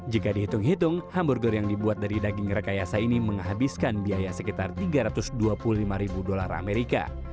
jika dihitung hitung hamburger yang dibuat dari daging rekayasa ini menghabiskan biaya sekitar tiga ratus dua puluh lima ribu dolar amerika